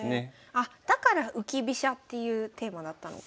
あっだから浮き飛車っていうテーマだったのか。